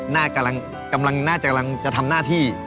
น่าจะทำหน้าที่